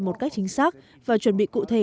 một cách chính xác và chuẩn bị cụ thể